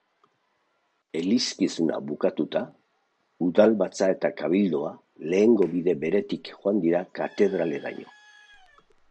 Elizkizuna bukatuta, udalbatza eta kabildoa lehengo bide beretik joan dira katedraleraino.